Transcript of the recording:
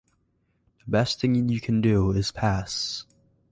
The best thing you can do is pass.